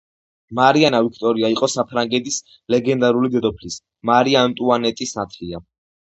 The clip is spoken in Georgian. მარიანა ვიქტორია იყო საფრანგეთის ლეგენდარული დედოფლის, მარი ანტუანეტის ნათლია.